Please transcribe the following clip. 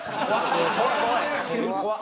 怖っ。